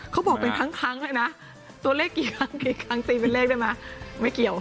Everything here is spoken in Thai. เขาบอกเป็นทั้งครั้งเลยนะตัวเลขกี่ครั้งสีเป็นเลขได้ไหมไม่เกี่ยว